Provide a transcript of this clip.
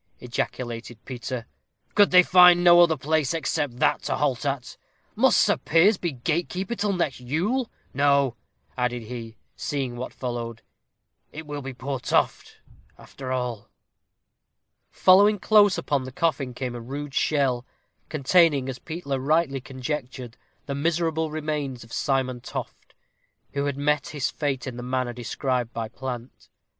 ejaculated Peter; "could they find no other place except that to halt at? Must Sir Piers be gatekeeper till next Yule! No," added he, seeing what followed; "it will be poor Toft, after all." Following close upon the coffin came a rude shell, containing, as Peter rightly conjectured, the miserable remains of Simon Toft, who had met his fate in the manner described by Plant.